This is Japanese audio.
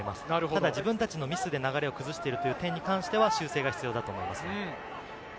ただ、自分たちのミスで流れを崩している点に関しては修正が必要だと思います。